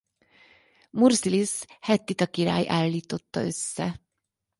Murszilisz hettita király állított össze.